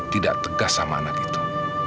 tidak tegas sama anak itu